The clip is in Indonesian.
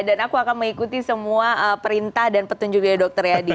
dan aku akan mengikuti semua perintah dan petunjuknya dokter ya di